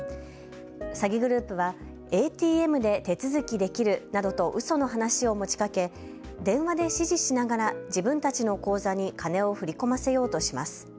詐欺グループはＡＴＭで手続きできるなどとうその話を持ちかけ電話で指示しながら自分たちの口座に金を振り込ませようとします。